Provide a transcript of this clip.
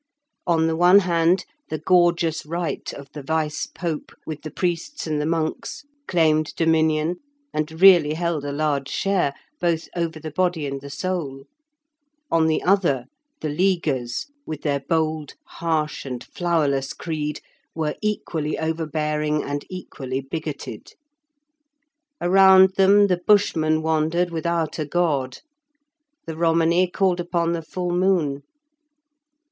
On the one hand, the gorgeous rite of the Vice Pope, with the priests and the monks, claimed dominion, and really held a large share, both over the body and the soul; on the other, the Leaguers, with their bold, harsh, and flowerless creed, were equally over bearing and equally bigoted. Around them the Bushmen wandered without a god; the Romany called upon the full moon.